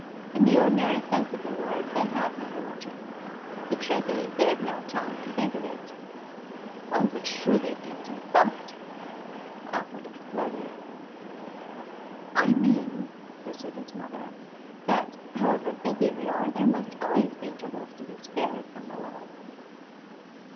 In the ordinary sense of the word, they have no religion. The truth is, they have no time to think of it.' 'Oh, but surely it needs no thought ' Alfred exploded. 'I mean,' pursued his mother, 'that, however busy we are, there must always be intervals to be spared from the world.